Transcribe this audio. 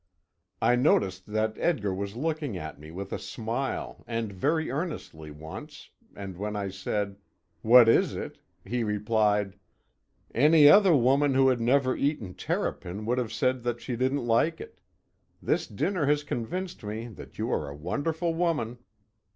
I noticed that Edgar was looking at me with a smile and very earnestly once, and when I said, "What is it?" he replied: "Any other woman who had never eaten terrapin would have said that she didn't like it. This dinner has convinced me that you are a wonderful woman."